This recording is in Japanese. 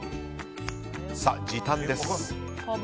さあ、時短です。